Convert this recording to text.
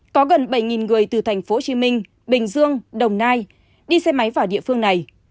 có gần bảy người từ thành phố hồ chí minh bình dương đồng nai đi xe máy vào địa phương này